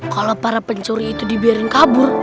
kalau para pencuri itu dibiarin kabur